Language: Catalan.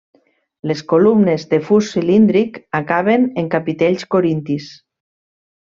Les columnes de fust cilíndric, acaben en capitells corintis.